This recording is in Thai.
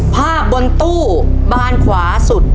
ภาพบนตู้บานขวาสุด